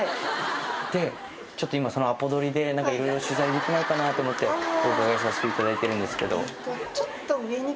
でちょっと今そのアポ取りでいろいろ取材できないかなと思ってお伺いさせていただいてるんですけど。